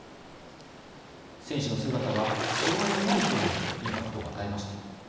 選手の姿は、障害のない人にもインパクトを与えました。